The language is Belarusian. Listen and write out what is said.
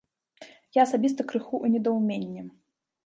Я асабіста крыху ў недаўменні.